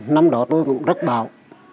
năm đó tôi cũng rất bạo